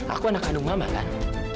aku anak kandung mama kan